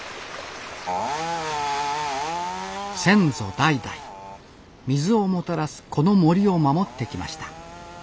先祖代々水をもたらすこの森を守ってきました